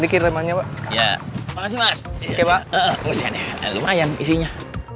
dikirimannya ya makasih mas kebak usianya lumayan isinya